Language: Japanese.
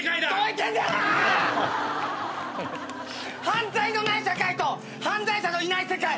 「犯罪のない社会」と「犯罪者のいない世界」